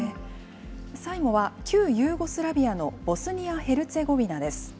最後は、旧ユーゴスラビアのボスニア・ヘルツェゴビナです。